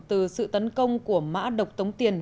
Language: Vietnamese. từ sự tấn công của mã độc tống tiền